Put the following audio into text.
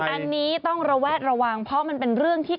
อันนี้ต้องระแวดระวังเพราะมันเป็นเรื่องที่